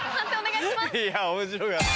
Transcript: いや面白かった。